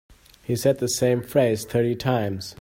He said the same phrase thirty times.